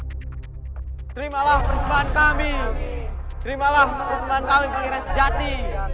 terimalah persembahan kami pangeran sejati